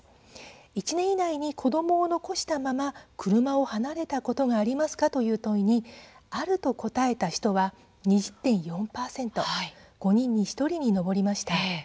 １年以内に子どもを残したまま車を離れたことがありますか？という問いにあると答えた人は２０．４％５人に１人に上りました。